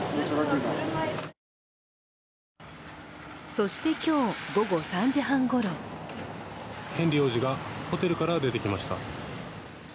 そして今日、午後３時半ごろヘンリー王子がホテルから出てきました。